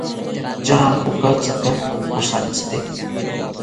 ¿Tya okatsika pojarentsite?